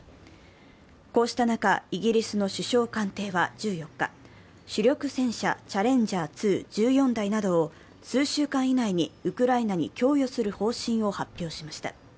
こうした中、イギリスの首相官邸は１４日、主力戦車・チャレンジャー２、１４台などを数週間以内にウクライナに供与する方針を発表しました。